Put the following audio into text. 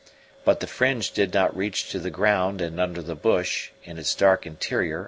But the fringe did not reach to the ground and under the bush, in its dark interior.